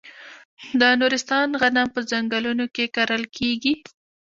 د نورستان غنم په ځنګلونو کې کرل کیږي.